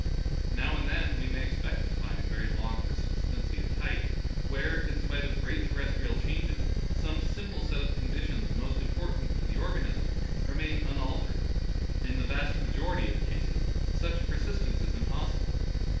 Now and then we may expect to find very long persistency of type where, in spite of great ter restrial changes, some simple set of conditions most important to the organism remains unal tered; but in the vast majority of cases such per sistence is impossible.